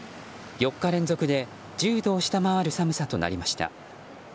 ４日連続で１０度を下回る寒さとなりました。